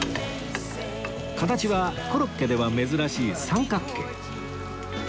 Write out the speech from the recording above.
形はコロッケでは珍しい三角形